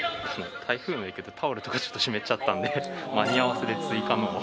台風の影響でタオルとかちょっと湿っちゃったんで間に合わせで追加のを。